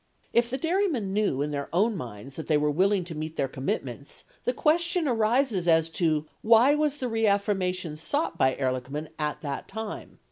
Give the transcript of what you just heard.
If the dairymen knew in their own minds that they were willing to meet their commitments, the question arises as to why was the re affirmation sought by Ehrlichman at that time?